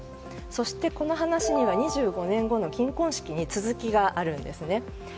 そして、この話には２５年後の金婚式に続きがあるんですね。